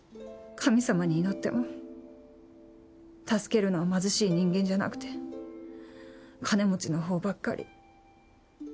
神様に祈っても助けるのは貧しい人間じゃなくて金持ちのほうばっかり。